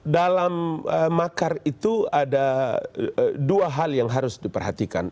dalam makar itu ada dua hal yang harus diperhatikan